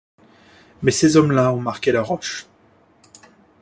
Mais ces hommes-là ont marqué la roche.